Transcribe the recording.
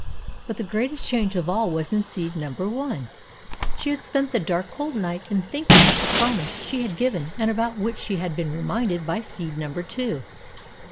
But the greatest change of all was in seed number One. She had spent the dark, cold night in thinking of the promise she had given and about which she had been reminded by seed number Two.